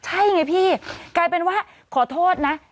ใช่ไงพี่กลายเป็นว่าขอโทษนะ